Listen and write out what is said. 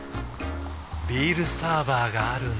ビールサーバーがある夏。